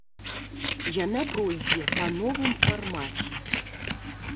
Яна пройдзе па новым фармаце.